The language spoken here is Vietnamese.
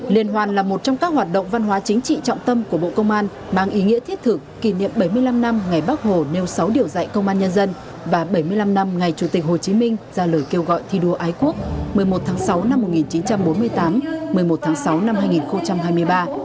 liên hoan là một trong các hoạt động văn hóa chính trị trọng tâm của bộ công an mang ý nghĩa thiết thực kỷ niệm bảy mươi năm năm ngày bắc hồ nêu sáu điều dạy công an nhân dân và bảy mươi năm năm ngày chủ tịch hồ chí minh ra lời kêu gọi thi đua ái quốc một mươi một tháng sáu năm một nghìn chín trăm bốn mươi tám một mươi một tháng sáu năm hai nghìn hai mươi ba